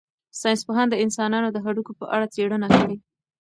ساینس پوهانو د انسانانو د هډوکو په اړه څېړنه کړې.